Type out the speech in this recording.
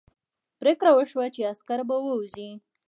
پرېکړه وشوه چې عسکر به ووځي.